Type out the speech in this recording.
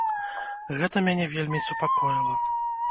Гэта мяне вельмі супакоіла.